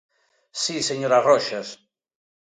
Si, señora Roxas.